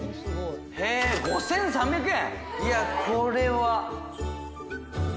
悗А５３００円！？